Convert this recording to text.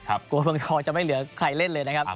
เมืองทองจะไม่เหลือใครเล่นเลยนะครับ